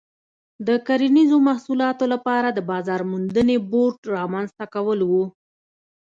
د کرنیزو محصولاتو لپاره د بازار موندنې بورډ رامنځته کول و.